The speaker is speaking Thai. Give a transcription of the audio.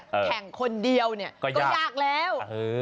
แข่งคนเดียวเนี่ยก็ยากแล้ว